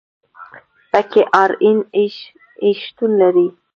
پکې آر این اې شتون لري.